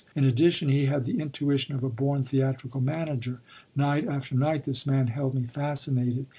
In addition, he had the intuition of a born theatrical manager. Night after night this man held me fascinated.